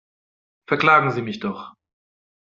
Verklagen Sie mich doch!